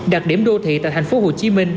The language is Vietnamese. đặc điểm đô thị tại thành phố hồ chí minh